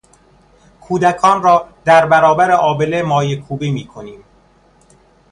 کودکان را در برابر آبله مایه کوبی میکنیم.